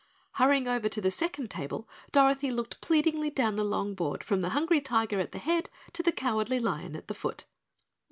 Hurrying over to the second table, Dorothy looked pleadingly down the long board from the Hungry Tiger at the head to the Cowardly Lion at the foot.